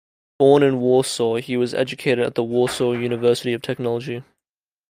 Born in Warsaw, he was educated at the Warsaw University of Technology.